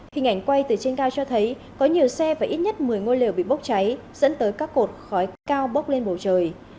hình ảnh quay từ trên cao cho thấy có nhiều xe và ít nhất một mươi ngôi liều bị bốc cháy dẫn tới các cột khói cao bốc lên bầu trời